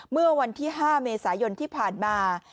เมื่อวันที่๕เมษายนที่ผ่านมา